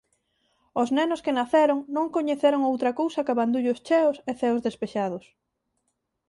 Os nenos que naceron non coñeceron outra cousa ca bandullos cheos e ceos despexados.